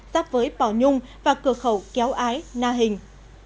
giáp với bảo nhung và cửa khẩu kéo ái na hình